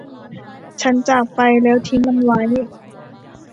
ฉันจากไปแล้วทิ้งมันไว้